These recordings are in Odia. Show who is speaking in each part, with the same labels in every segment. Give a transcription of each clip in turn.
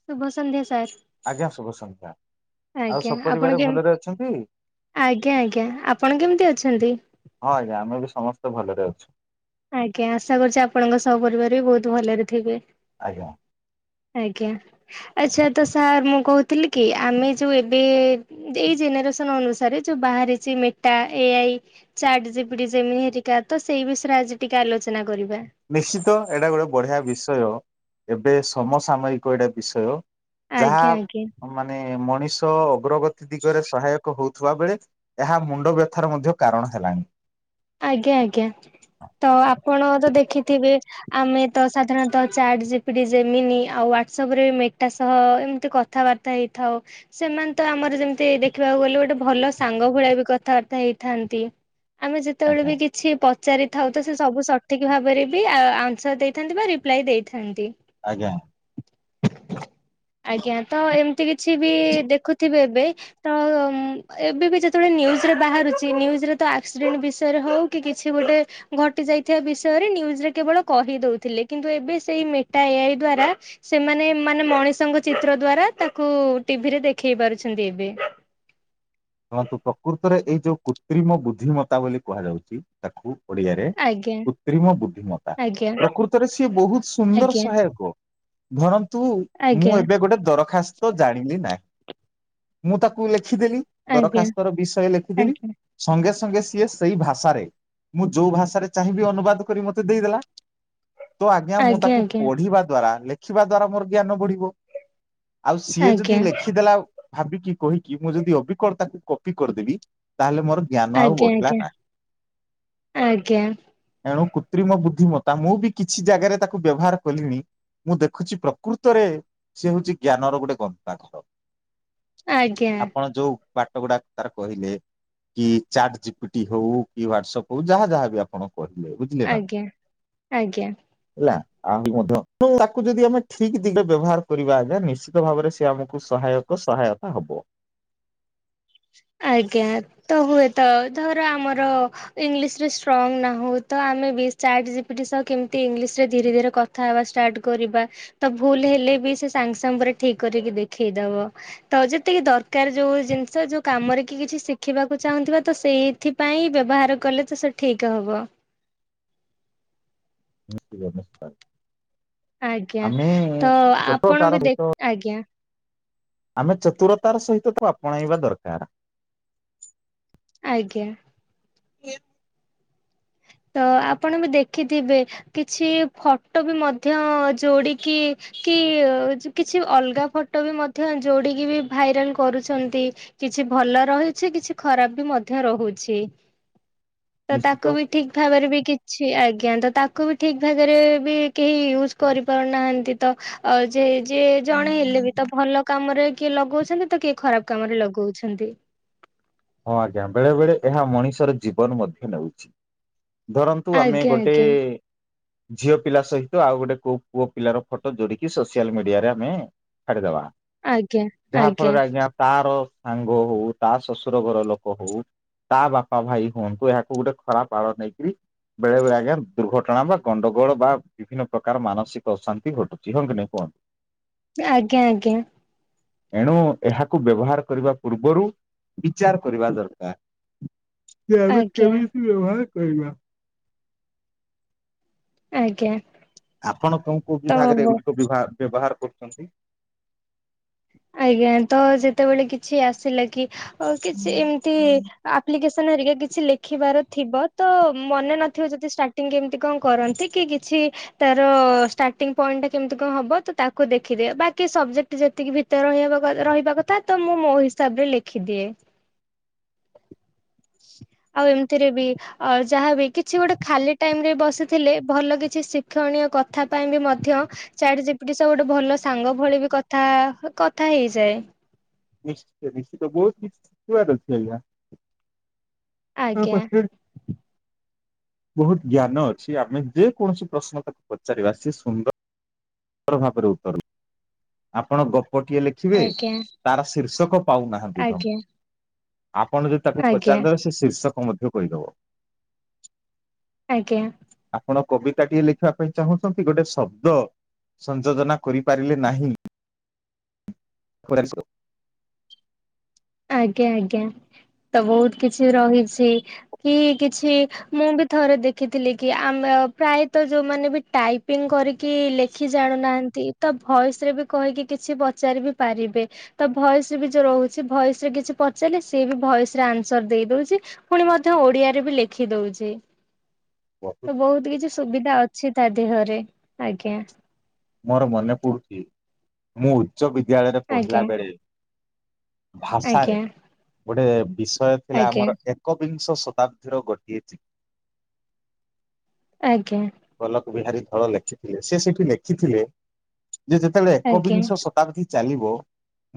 Speaker 1: ଶୁଭ ସଂନ୍ଧ୍ୟା ସାର୍।
Speaker 2: ଆଜ୍ଞା ଶୁଭ ସଂନ୍ଧ୍ୟା ଆଉ
Speaker 1: ଆଜ୍ଞା ଆପଣ
Speaker 2: ସପରିବାର
Speaker 1: କେମ
Speaker 2: ଭଲରେ ଅଛନ୍ତି ହଁ
Speaker 1: ଆଜ୍ଞା ଆଜ୍ଞା ଆପଣ କେମିତି ଅଛନ୍ତି?
Speaker 2: ଆଜ୍ଞା ଆମେ ବି ସମସ୍ତ ଭଲରେ ଅଛୁ।
Speaker 1: ଆଜ୍ଞା ଆଶା କରୁଛି ଆପଣଙ୍କ ସପରିବାର ବି ବହୁତ ଭଲରେ ଥିବେ।
Speaker 2: ଆଜ୍ଞା।
Speaker 1: ଆଜ୍ଞା ଆଚ୍ଛା ତ ସାର୍ ମୁଁ କହୁଥିଲି କି ଆମେ ଯୋଉ ଏବେ ଏଇ ଜେନେରେସନ ଅନୁସାରେ ଯଉ ବାହାରିଛି ମେଟା ଏଆଇ ଚାର୍ଟ ଜିପିଡି ଯେମିତିକା ତ ସେଇ ବିଷୟରେ ଆଜି ଟିକେ ଆଲୋଚନା କରିବା।
Speaker 2: ନିଶ୍ଚିତ ଏଇଟା ଗୋଟେ ବଢିଆ ବିଷୟ ଏବେ ସମସାମୟିକ ଏଇଟା ବିଷୟ। ଯାହା
Speaker 1: ଆଜ୍ଞା ଆଜ୍ଞା
Speaker 2: ମାନେ ମଣି ଷ ଅଗ୍ରଗତି ଦିଗରେ ସହାୟକ ହଉଥିବା ବେଳେ ଏହା ମୁଣ୍ଡ ବ୍ୟଥାର ମଧ୍ୟ କାରଣ ହେଲାଣି।
Speaker 1: ଆଜ୍ଞା ଆଜ୍ଞା ତ ଆପଣ ତ ଦେଖି ଥିବେ ଆମେ ତ ସାଧାରଣତ chart G P T Gemini ଆଉ ହ୍ୱାଟ୍ସ ଆପ ରେ ମେଟା ସହ ଏମତି କଥାବାର୍ତ୍ତା ହେଇଥାଉ ସେମାନେ ତ ଆମର ଯେମତି ଦେଖିବାକୁ ଗଲେ ଗୋଟେ ଭଲ ସାଙ୍ଗ ଭଳିଆ ବି କଥାବାର୍ତ୍ତା ହେଇଥାଆନ୍ତି ଆମେ ଯେତେବେଳେ
Speaker 2: ଆଜ୍ଞା।
Speaker 1: ବି କିଛି ପଚାରିଥାଉ ତ ସେ ସବୁ ସଠିକ ଭାବରେ ବି ଆନ୍ସର ଦେଇଥାନ୍ତି ବା ରିପ୍ଲାଏ ଦେଇଥାନ୍ତି।
Speaker 2: ଆଜ୍ଞା
Speaker 1: ଆଜ୍ଞା ତ ଏମିତି କିଛି ବି ଦେଖୁଥିବେ। ବେ ତ ଉଁ ଏବେ ବି ଯେତେବେଳେ ନ୍ୟୁଜ ରେ ବାହାରୁଚି। ନ୍ୟୁଜ ରେ ତ ଆକ୍ସିଡେଣ୍ଟ ବିଷ ଷୟ ରେ ହଉ କି କିଛି ଗୋଟେ ଘଟି ଯାଇଥିବା ବିଷୟରେ ନ୍ୟୁଜରେ କେବଳ କହି ଦଉଥିଲେ। କିନ୍ତୁ ଏବେ ସେଇ ମେଟା ଏଆଇ ଦ୍ଵାରା ସେମାନେ ମାନେ ମଣିଷଙ୍କ ଚିତ୍ର ଦ୍ଵାରା ତାକୁ ଟିଭିରେ ଦେଖେଇ ପାରୁଛନ୍ତି ଏବେ।
Speaker 2: ଶୁଣନ୍ତୁ ପ୍ରକୃତରେ ଏଇ ଯୋଉ କୃତ୍ରିମ ବୁଦ୍ଧିମତା ବୋଲି କୁହାଯାଉଚି ତାକୁ। ଓଡିଆରେ
Speaker 1: ଆଜ୍ଞା
Speaker 2: କୃତ୍ରିମ [inaudible] ବୁଦ୍ଧିମତା
Speaker 1: ଆଜ୍ଞା
Speaker 2: ପ୍ରକୃତରେ ସିଏ ବହୁତ ସୁନ୍ଦର
Speaker 1: ଆଜ୍ଞା
Speaker 2: ସହାୟକ। ଧର ତୁ
Speaker 1: ଆଜ୍ଞା
Speaker 2: ମୁଁ ଏବେ ଗୋଟେ ଦରଖାସ୍ତ ଜାଣିଲି ନାହିଁ। [inaudible] ମୁଁ ତାକୁ ଲେଖିଦେଲି। ଦରଖାସ୍ତର ବିଷୟ ଲେଖିଦେଲି
Speaker 1: ଆଜ୍ଞା
Speaker 2: ସଙ୍ଗେ ସ ସଙ୍ଗେ ସିଏ ସେଇ ଭାଷାରେ ମୁଁ ଯୋଉ ଭାଷାରେ ଚାହିଁବି ଅନୁବାଦ କରି ମତେ ଦେଇଦେଲା। ତ ଆଜ୍ଞା ମୁଁ ତାକୁ ପଢିବା ଦ୍ଵାରା ଲେ ଖିବା ଦ୍ଵାରା ମୋର ଜ୍ଞାନ ବଢିବ। ଆଉ ସିଏ ଯଦି
Speaker 1: ଆଜ୍ଞା ଆଜ୍ଞା
Speaker 2: ଲେଖିଦେଲା। ଭାବିକି କହିକି ମୁଁ ଯଦି ଅଭି୍ ତାକୁ କପି କରିଦେବି, ତାହେଲେ ମୁଁ
Speaker 1: ଆଜ୍ଞା ଆଜ୍ଞା [inaudible] ଆଜ୍ଞା।
Speaker 2: ଏଣୁ କୃତ୍ରିମ ବୁଦ୍ଧିମତା ମୁଁ ବି କିଛି ଜାଗାରେ ତାକୁ ବ୍ୟବହାର କଲିଣି। ମୁଁ ଦେଖୁଚି ପ୍ରକୃତରେ ସେ ହଉଚି ଜ୍ଞାନର ଗୋଟେ ଗନ୍ତାଘର।
Speaker 1: ଆଜ୍ଞା
Speaker 2: ଆପଣ ଯୋଉ ବାଟ ଗୁଡାକ ତାର କହିଲେ କି ଚାଟ ଜିପିଟି ହଉ କି ହ୍ଵାଟସପ୍ ହଉ ଯାହା ଯାହାବି ଆପଣ କର ବୁଝିଲେ
Speaker 1: ଆଜ୍ଞା
Speaker 2: ନା [inaudible]
Speaker 1: ଆଜ୍ଞା ଆଜ୍ଞା।
Speaker 2: ହେଲା। ଆହୁ ମଧ୍ୟ ଯୋ ତାକୁ ଯଦି ଆମେ ଠିକ ଦିଗରେ ବ୍ୟବହାର କରିବା ଆଜ୍ଞା ନିଶ୍ଚିତ ଭାବରେ ସେ ଆମକୁ ସହାୟକ ସହାୟତା ହବ।
Speaker 1: ଆଜ୍ଞା ତ ହୁଏତ ଧର ଆମର ଇଂଲିଶରେ ଷ୍ଟ୍ରଙ୍ଗ ନା ହଉ ତ ଆମେ ବି ଚାଟ୍ ଜପିଟ୍ ସହ କେମିତି ଇଂଲିଶ ରେ ଧୀରେ ଧୀରେ କଥା ହବା ଷ୍ଟାର୍ଟ କରିବା। ତ ଭୁଲ ହେଲେ ବି ସେ ସାଙ୍ଗେ ସାଙ୍ଗରେ ଠିକ କରିକି ଦେଖେଇଦବ। ତ ଯେତିକି ଦରକାର ଯୋଉ ଜିନିଷ ଯୋଉ କାମରେ କିଏ କିଛି ଶିଖିବାକୁ ଚାହୁଁଥିବା ତ ସେଇଥିପାଇଁ ବ୍ୟବହାର କଲେ ତ ସେ ଠିକ ହବ। [inaudible]
Speaker 2: ନିଶ୍ଚତ ନିଶ୍ଚ
Speaker 1: ଆଜ୍ଞା ତ
Speaker 2: ଚତୁରତାର
Speaker 1: ଆପଣ ବି
Speaker 2: ସହିତ
Speaker 1: ଦେଖ, ଆଜ୍ଞା।
Speaker 2: ଆମେ ଚତୁରତାର ସହିତ ତାକୁ ଆପଣେଇବା ଦରକାର। [inaudible]
Speaker 1: ଆଜ୍ଞା। ହେ [inaudible] ତ ଆପଣ ବି ଦେଖିଥିବେ କିଛି ଫଟୋ ବି ମଧ୍ୟ ଯୋଡିକି କି କିଛି ଅଲଗା ଫଟୋ ବି ମଧ୍ୟ ଯୋଡିକି ବି ଭାଇରାଲ କରୁଛନ୍ତି। କିଛି ଭଲ ରହିଛି। କିଛି ଖରାପ ବି ମଧ୍ୟ ରହୁଛି। ତ ତାକୁ
Speaker 2: ନିଶ୍ଚିତ
Speaker 1: ବି ଠିକ ଭାବରେ ବି କିଛି ଆଜ୍ଞା ତ ତାକୁ ବି ଠିକ ଭାଗରେ ବି କେହି ୟୁଜ କରିପାରୁନାହାନ୍ତି। ତ ଯେ ଯେ ଜଣେ ହେଲେ ବି ତ ଭଲ କାମରେ କିଏ ଲଗଉଛନ୍ତି। ତ କିଏ ଖରାପ କାମରେ ଲଗଉଛନ୍ତି।
Speaker 2: ହଁ ଆଜ୍ଞା ବେଳେବେଳେ ଏହା ମଣିଷର ଜୀବନ ମଧ୍ୟ ନେଉଛି। ଧରନ୍ତୁ ଆମେ
Speaker 1: ଆଜ୍ଞା
Speaker 2: ଗୋଟେ
Speaker 1: ଆଜ୍ଞା
Speaker 2: ଝିଅ ପିଲା ସହିତ ଆଉ ଗୋଟେ କୋଉ ପୁଅ ପିଲାର ଫଟୋ ଯୋଡିକି ସୋସିଆଲ ମିଡିଆରେ ଆମେ ଛାଡିଦବା।
Speaker 1: ଆଜ୍ଞା
Speaker 2: [inaudible] ଯାହା ଫଳରେ ଆଜ୍ଞା ତାର ସାଙ୍ଗ ହଉ ତାସ ର ଘର ଲୋକ ହଉ ତା ବାପା ଭାଇ ହୁଅନ୍ତୁ ଏହାକୁ ଗୋଟେ ଖରାପ ଆଳ ନେଇକରି ବେଳେ ବେଳେ ଆଜ୍ଞା ଦୁର୍ଘଟଣା ବା ଗଣ୍ଡଗୋଳ ବା ବିଭିନ୍ନ ପ୍ରକାର ମାନସିକ ଅଶାନ୍ତି ଘଟୁଛି ହଁ କି ନାଇଁ କୁହନ୍ତୁ?
Speaker 1: ଆଜ୍ଞା ଆଜ୍ଞା।
Speaker 2: ଏଣୁ ଏହାକୁ ବ୍ୟବହାର କରିବା ପୂର୍ବରୁ ବିଚାର କରିବା ଦରକାର। ଯେ ଆମେ
Speaker 1: ଆଜ୍ଞା
Speaker 2: କେମିତି ବ୍ୟବହାର କରିବା।
Speaker 1: ଆଜ୍ଞା।
Speaker 2: ଆପଣ କୋଉ କୋଉ
Speaker 1: ତ
Speaker 2: ବିଭାଗରେ
Speaker 1: ହବ
Speaker 2: ଏଗୁଡିକ ବିବାହର ବ୍ୟବହାର କରୁଚନ୍ତି।
Speaker 1: ଆଜ୍ଞା ତ ଯେତେବେଳେ କିଛି ଆସିଲା କି ଅ କିଛି ଏମିତି ଆପ୍ଲିକେସନ ହେରିକା କିଛି ଲେଖିବାର ଥିବ ତ ମନେ ନଥିବ ଯଦି ଷ୍ଟାର୍ଟିଂ କେମିତି କଣ କରନ୍ତି କି କିଛି ତାର ଷ୍ଟାର୍ଟିଂ ପଏଣ୍ଟ ଟା କେମିତି କଣ ହବ ତ ତାକୁ ଦେଖିଦିଏ ବାକି ସବଜେକ୍ଟ ଯେତିକି ଭି ତେ ରହିବା କ ରହିବା କଥା ତ ମୁଁ ମୋ ହିସାବରେ ଲେଖିଦିଏ ଆଉ ଏମିତିରେ ବି ଆ ଯାହାବି କିଛି ଗୋଟେ ଖାଲି ଟାଇମ ରେ ବସିଥିଲେ ଭଲ କିଛି ଶିକ୍ଷଣୀୟ କଥା ପାଇଁ ବି ମଧ୍ୟ ଚାଟ ଚିପିଟି ସବୁ ଗୋଟେ ଭଲ ସାଙ୍ଗ ଭଳି ବି କଥା କଥା ହେଇଯାଏ।
Speaker 2: ନିଶ୍ଚୟ ନିଶ୍ଚିତ ବହୁତ କିଛି ଶିଖିବାର ଅଛି ଆଜ୍ଞା। କା
Speaker 1: ଆଜ୍ଞା।
Speaker 2: ପାଖେ ବହୁତ ଜ୍ଞାନ ଅଛି ଆମେ ଯେ କୌଣସି ପ୍ରଶ୍ନ ତାକୁ ପଚାରିବା ସିଏ ସୁନ୍ଦର ପ୍ରଭାବକରେ ଉତ୍ପାଦନ ଆପଣ ଗ ପ ଟିଏ ଲେଖିବେ
Speaker 1: ଆଜ୍ଞା
Speaker 2: ତାର ଶୀର୍ଷ ପାଉନାହାନ୍ତି ଭ୍ରମ।
Speaker 1: ଆଜ୍ଞା
Speaker 2: ଆପଣ ଯଦି ତାକୁ
Speaker 1: ଆଜ୍ଞା
Speaker 2: ପଚାରିବେ ସେ ଶୀର୍ଷକ ମଧ୍ୟ କହିଦବ।
Speaker 1: ଆଜ୍ଞା।
Speaker 2: ଆପଣ କବିତାଟିଏ ଲେଖବା ପାଇଁ ଚାହୁଁଛନ୍ତି ଗୋଟେ ଶବ୍ଦ ସଂଯୋଜନା କରିପାରିଲେ ନାହିଁ। [unintelligible]
Speaker 1: ଆଜ୍ଞା, ଆଜ୍ଞା। ତ ବହୁତ କିଛି ରହିଛି କି କିଛି ମୁଁ ବି ଥରେ ଦେଖିଥିଲି କି ଆମ ପ୍ରାୟତ ଯୋଉମାନେ ବି ଟାଇପିଙ୍ଗ କରିକି ଲେଖି ଜାଣୁନାହାନ୍ତି ତ ଭଏସରେ ବି କହିକି କିଛି ପଚାରି ବି ପାରିବେ ତ ଭଏସରେ ବି ଯୋଉ ରହୁଛି ଭଏସ ସେ କିଛି ପଚାରିଲେ ସେ ବି ଭଏସରେ ଆନ୍ସର ଦେଇ ଦଉଚି ପୁଣି ମଧ୍ୟ ଓଡିଆରେ ବି ଲେଖି ଦଉଚି। ତ ବହୁତ କିଛି ସୁବିଧା ଅଛି ତା ଦେହରେ, ଆଜ୍ଞା।
Speaker 2: ମୋର ମନେ ପଡୁଚି ମୁଁ ଉଚ୍ଚ ବିଦ୍ୟାଳୟରେ ପଢିଲା
Speaker 1: ଆଜ୍ଞା
Speaker 2: ବେଳେ ଭାଷାରେ
Speaker 1: ଆଜ୍ଞା
Speaker 2: ଗୋଟେ ବି ବିଷୟ ଥିଲା
Speaker 1: ଆଜ୍ଞା
Speaker 2: ଆମର ଏକ ବିିଂ ଶ ଶତାବ୍ଦୀର ଗୋଟିଏ ଚି
Speaker 1: ଆଜ୍ଞା।
Speaker 2: ବିହାରି ଧଳ ଲେଖିଥିଲେ, ସେ ସେଠି ଲେ ଲେଖି ଥିଲେ ଇଏ ଯେତେବେଳେ
Speaker 1: ଆଜ୍ଞା
Speaker 2: ଏକବିଂଶ ଶତାବ୍ଦୀ ଚାଲିବ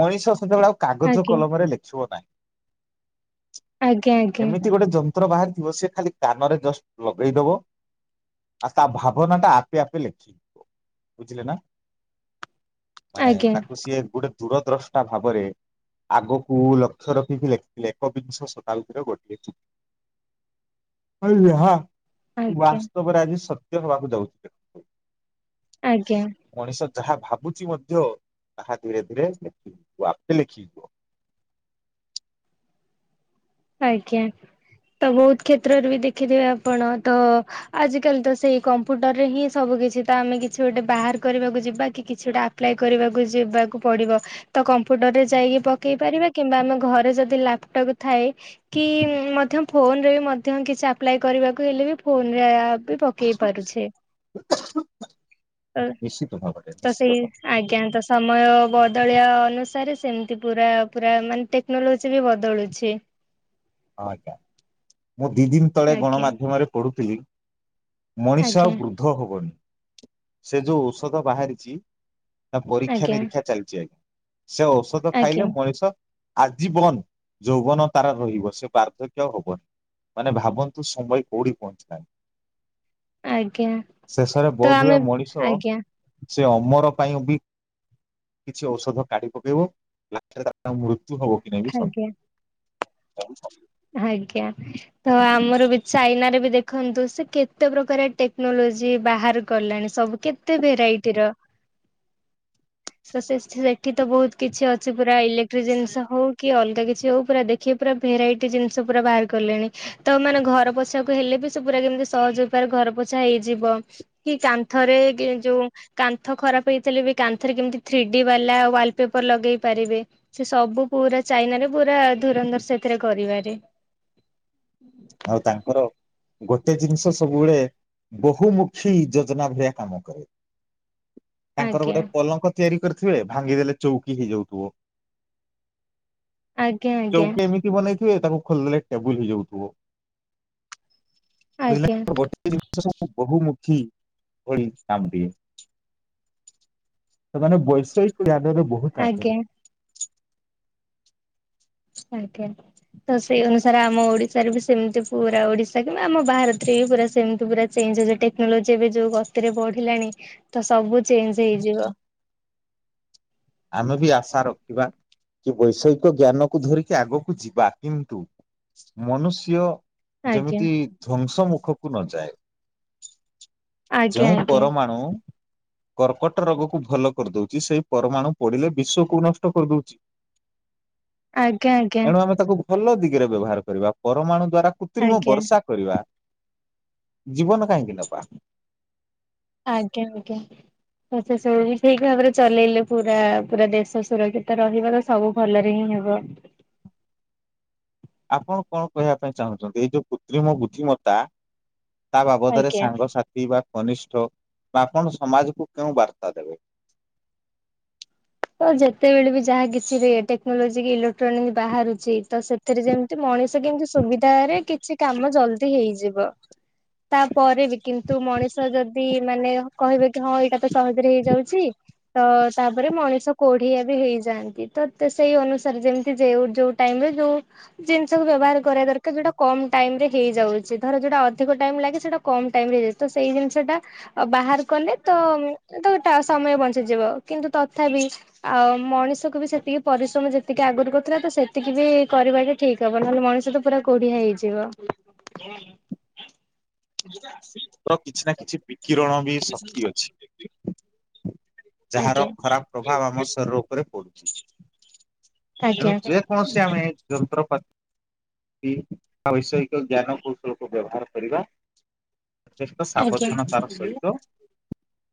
Speaker 2: ମଣିଷ, ସେତେବେଳେ ଆଉ କାଗଜ
Speaker 1: ଆଜ୍ଞା
Speaker 2: କଲମରେ ଲେଖିବ ନାହିଁ।
Speaker 1: ଆଜ୍ଞା ଆଜ୍ଞା
Speaker 2: ଏମିତି ଗୋଟେ ଜମ୍, ପତ୍ର ବାହାରିଥିବ, ସେ ଖାଲି କାନରେ ଜଷ୍ଟ ଲଗେଇଦବ, ଆଉ ତା ଭାବନା ଟା ଆପେ ଆପେ ଲେଖିବ। ବୁଝିଲେନା। ମାନେ
Speaker 1: ଆଜ୍ଞା
Speaker 2: ତାକୁ ସିଏ ଗୋଟେ, ଦୂରଦ୍ରଷ୍ଟା ଭାବରେ ଆଗକୁ ଲକ୍ଷ୍ୟ ରଖିକି ଲେଖିକି ଲେ ଏକବିଂଶ ଶତାବ୍ଦୀର ଗୋଟିଏ ଚି, [unintelligible]
Speaker 1: ଆଜ୍ଞା
Speaker 2: ବାସ୍ତବରେ ଆଜି ସତ୍, ତ୍ୟ ହେବାକୁ ଯାଉଚି ଦେ,
Speaker 1: ଆଜ୍ଞା।
Speaker 2: ଯାହା ଭାବୁଛି ମଧ୍ୟ ତାହା ଧୀରେ ଧୀରେ ଲେଖିବା ଆପେ ଲେଖିବ।
Speaker 1: ଆଜ୍ଞା, ତ ବହୁତ କ୍ଷେତ୍ରରେ ବି ଦେଖିଥିବେ ଆପଣ ତ, ଆଜିକାଲି ତ ସେଇ କମ୍ପୁଟରରେ ହିଁ ସବୁ କିଛି ତ ଆମେ କିଛି ଗୋଟେ ବାହାର କରିବାକୁ ଯିବା କି କିଛି ଟା ଆପ୍ଲାଏ କରିବାକୁ ଯିବାକୁ ପଡିବ, ତ କମ୍ପୁଟର ରେ ଯାଇକି ପକେଇ ପାରିବା କିମ୍ବା ଆମ ଘରେ ଯଦି ଲାପଟପ୍ ଥାଏ, କି ମଧ୍ୟ ଫୋନ ରେ ମଧ୍ୟ କିଛି ଆପ୍ଲାଏ କରିବାକୁ ହେଲେ ବି ଫୋନରେ, ପକେଇ ପାରୁଛେ, ଅ
Speaker 2: ନିଶ୍ଚିତ ଭାବରେ
Speaker 1: ତ
Speaker 2: ନିଶ୍ଚିତ
Speaker 1: ସେଇ
Speaker 2: ଭାବରେ
Speaker 1: ଆଜ୍ଞା ତ ସମୟ ବ, ଦଳୀୟ ଅନୁସାରେ ସେମତି ପୁରା, ପୁରା ମାନେ ଟେକ୍ନୋଲୋଜି ବି ବଦଳୁଛି।
Speaker 2: ଆ କା ମୁଁ, ଦି ଦିନି ତଳେ
Speaker 1: ଆଜ୍ଞା
Speaker 2: ଗଣମାଧ୍ୟମରେ ପଢୁ [inaudible] ମଣିଷ
Speaker 1: ଆଜ୍ଞା
Speaker 2: ଆଉ ବୃଦ୍ଧ ହବନି। ସେ ଯୋଉ ଔଷଧ ବାହାରିଚି, ତା ପରୀକ୍ଷା,
Speaker 1: ଆଜ୍ଞା
Speaker 2: ନିରୀକ୍ଷା ଚାଲିଛି, ଆଜ୍ଞା ସେ ଔଷଧ ଖାଇଲେ
Speaker 1: ଆଜ୍ଞା
Speaker 2: ମଣିଷ ଆଜୀବନ ଯୌବନ ତାର ରହିବ, ସେ ବାର୍ଦ୍ଧକ୍ୟ ହବନି, ମାନେ ଭାବନ୍ତୁ ସମୟ କୋଉଠି ପହଞ୍ଚିଲାଣି।
Speaker 1: ଆଜ୍ଞା,
Speaker 2: ଶେଷରେ
Speaker 1: ତ
Speaker 2: ବୋଧ
Speaker 1: ଆମେ,
Speaker 2: ହୁଏ ମଣିଷ
Speaker 1: ଆଜ୍ଞା,
Speaker 2: ସେ ଅମର ପାଇଁ ବି କିଛି ଔଷଧ କାଢି ପକେଇବ ଲାଷ୍ଟରେ ତାଙ୍କର ମୃତ୍ୟୁ ହବ କି ନାଇଁ ବି ସନ୍ଦେହ
Speaker 1: ଆଜ୍ଞା, ଆଜ୍ଞା [unintelligible] ତ ଆମର ବି ଚାଇନାରେ ବି ଦେଖନ୍ତୁ, ସେ କେତେ ପ୍ରକାର ଟେକ୍ନୋଲୋଜି ବାହାର କଲାଣି, ସବୁ କେତେ ଭେରାଇଟିର, ତ ସେ ସେଠି ତ ବହୁତ କିଛି ଅଛି ପୁରା ଇଲେକ୍ଟ୍ରି ଜିନିଷ ହଉ, କି ଅଲଗା କିଛି ହଉ, ପୁରା ଦେଖି ପୁରା ଭେରାଇଟି ଜିନିଷ ପୁରା ବାହାର କଲେଣି, ତ ମାନେ ଘର ପୋଛାକୁ ହେଲେ ବି ସେ ପୁରା କେମିତି ସହଜ ଉପାୟରେ ଘର ପୋଛା ହେଇଯିବ, କି କାନ୍ଥରେ ଯୋଉ କାନ୍ଥ ଖରାପ ହେଇଥିଲେ, ବି କାନ୍ଥରେ କେମିତି ଥ୍ରୀ ଡି ବାଲା ୱାଲ ପେପର ଲଗେଇ ପାରିବେ, ସେ ସବୁ ପୁରା ଚାଇନା ରେ ପୁରା ଧୁରନ୍ଧର ସେଥିରେ କରିବାରେ,
Speaker 2: ଆଉ ତାଙ୍କର ଗୋଟେ ଜିନିଷ ସବୁବେଳେ, ବହୁମୁଖୀ ଯୋଜନା ଭଳିଆ କାମ କରେ। ତାଙ୍କର
Speaker 1: ଆଜ୍ଞା।
Speaker 2: ଗୋଟେ ପଲଙ୍କ ତିଆରି କରିଥିବେ, ଭାଙ୍ଗିଦେଲେ, ଚୌକି ହେଇଯାଉଥିବ।
Speaker 1: ଆଜ୍ଞା ଆଜ୍ଞା
Speaker 2: ଚୌକି ଏମିତି ବନେଇ ତାଙ୍କୁ ଖୋଲ ଦେଲେ ଟେବୁଲ ହେଇଯାଉଥିବ।
Speaker 1: ଆଜ୍ଞା
Speaker 2: [unintelligible] ଗୋଟେ ଜିନିଷ ସବୁ ବହୁମୁଖୀ ଭଳି କାମଟିଏ। ସେମାନେ ବୈଷୟିକ [unintelligible] ବହୁତ
Speaker 1: ଆଜ୍ଞା
Speaker 2: ଆଗରେ
Speaker 1: ଆଜ୍ଞା, ତ ସେଇ ଅନୁସାରେ ଆମ ଓଡିଶାରେ ବି ସେମିତି ପୁରା ଓଡିଶା କିମ୍ବା ଆମ ଭାରତରେ ବି ପା ସେମତି ପୁରା ଚେଞ୍ଜ ହେଇଯବ, ଟେକ୍ନୋଲୋଜି ଏବେ ଯୋଉ ଗତିରେ ବଢିଲାଣି ତ ସବୁ ଚେଞ୍ଜ ହେଇଯିବ।
Speaker 2: ଆମେ ବି ଆଶା ରଖିବା, କି ବୈଷୟିକ ଜ୍ଞାନକୁ ଧରିକି ଆଗକୁ ଯିବା, କିନ୍ତୁ ମନୁଷ୍ୟ
Speaker 1: ଆଜ୍ଞା
Speaker 2: ଯେମିତି ଧ୍ଵଂସ ମୁଖକୁ ନଯାଏ।
Speaker 1: ଆଜ୍ଞା
Speaker 2: ଯେଉଁ
Speaker 1: ଆଜ୍ଞା
Speaker 2: ପରମାଣୁ କର୍କଟ ରୋଗ କୁ ଭଲ କରିଦଉଛି, ସେଇ ପରମାଣୁ, ପଡ଼ିଲେ, ବିଶ୍ୱକୁ ନଷ୍ଟ କରିଦେଉଛି।
Speaker 1: ଆଜ୍ଞା, ଆଜ୍ଞା।
Speaker 2: ଭଲ ଦିଗରେ ବ୍ୟବହାର କରିବା, ପରମାଣୁ ଦ୍ଵାରା, କୃତ୍ରିମ
Speaker 1: ଆଜ୍ଞା
Speaker 2: ବର୍ଷା କରିବା। ଜୀବନ କାହିଁକି ନେବା
Speaker 1: ଆଜ୍ଞା ଆଜ୍ଞା। ତ ସେ ସବୁ ବି ଠିକ ଭାବରେ ଚଲେଇଲେ ପୁରା ପୁରା ଦେଶ ସୁରକ୍ଷିତ ରହିବାର ସବୁ ଭଲରେ ହିଁ ହେବ।
Speaker 2: ଆପଣ କଣ କହିବା ପାଇଁ ଚାହୁଁଛନ୍ତି ଏଇ ଯୋଉ କୃତ୍ରିମ ବୁଦ୍ଧିମତା ତା ବାବଦରେ
Speaker 1: ଆଜ୍ଞା
Speaker 2: ସାଙ୍ଗସାଥି ବା କନିଷ୍ଠ ବା ଆପଣ ସମାଜକୁ କେଉଁ ବାର୍ତ୍ତା ଦେବେ?
Speaker 1: ତ ଯେତେବେଳେ ବି ଯାହା କିଛି ଟେକ୍ନୋଲୋଜି କି ଇଲେକ୍ଟ୍ରୋନିକ ବାହାରୁଛି ତ ସେଥିରେ ଯେମିତି ମଣିଷ କେମିତି ସୁବିଧାରେ କିଛି କାମ ଜଲଦି ହେଇଯିବ। ତାପରେ ବି କିନ୍ତୁ ମଣିଷ ଯଦି ମାନେ କହିବେ କି ହଁ ଏଇଟା ତ ସହଜରେ ହେଇଯାଉଛି ତ ତାପରେ ମଣିଷ ସେ କୋଢିଆ ବି ହେଇଯାଆନ୍ତି। ତ ତ ସେଇ ଅନୁସାରେ ଯେମିତି ଯେଉ ଯୋଉ ଟାଇମରେ ଯୋଉ ଜିନିଷକୁ ବ୍ୟବହାର କରିବା ଦରକାର, ଯୋଉଟା କମ ଟାଇମ ରେ ହେଇଯାଉଛି। ଧର ଯୋଉଟା ଅଧିକ ଟାଇମ ଲାଗେ ସେଟା କମ ଟାଇମ ରେ ହେଇଯାଉଛି। ତ ସେଇ ଜିନିଷ ଟା ବାହାର କଲେ ତ ତ ସମୟ ବଞ୍ଚିଯିବ। କିନ୍ତୁ ତଥାପି ଆଉ ମଣିଷକୁ ବି ସେତିକି ପରିଶ୍ରମ ଯେତିକି ଆଗରୁ କରଥିଲା ତ ସେତିକି ବି କରିବା ଟା ଠିକ ହବ ନହେଲେ ମଣିଷ ତ ପୁରା କୋଢିଆ ହେଇଯିବ।
Speaker 2: ତ କିଛି ନା କିଛି ବିକିରଣ ବି ଶକ୍ତି ଅଛି। ଯାହାର
Speaker 1: ଆଜ୍ଞା
Speaker 2: ଖରାପ ପ୍ରଭାବ ଆମ ଶରୀର ଉପରେ ପଡୁ ତେଣୁ
Speaker 1: ଆଜ୍ଞା
Speaker 2: ଯେ କୌଣସି ଆମେ ଯନ୍ତ୍ରପାତି [unintelligible] ଜ୍ଞାନ କୌଶଳ କୁ ବ୍ୟବହାର କରିବା [unintelligible] ଯଥେଷ୍ଟ
Speaker 1: ଆଜ୍ଞା।
Speaker 2: ସାବଧାନତାର ସହିତ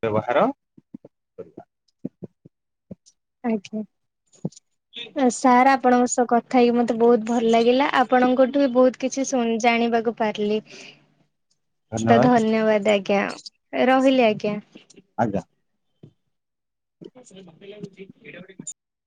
Speaker 2: ବ୍ୟବହାର କରିବା
Speaker 1: ଆଜ୍ଞା ସାର୍ ଆପଣଙ୍କ ସହ କଥା ହେଇକି ମୋତେ ବହୁତ ଭଲ ଲାଗିଲା। ଆପଣଙ୍କଠୁ ବି ବହୁତ କିଛି ଶୁ ଜାଣିବାକୁ ପାରଲି। ତ
Speaker 2: ଧନ୍ୟବାଦ
Speaker 1: ଧନ୍ୟବାଦ ଆଜ୍ଞା। ଆଜ୍ଞା ରହିଲି ଆଜ୍ଞା।
Speaker 2: ଆଜ୍ଞା।
Speaker 1: [unintelligible]